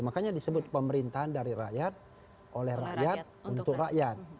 makanya disebut pemerintahan dari rakyat oleh rakyat untuk rakyat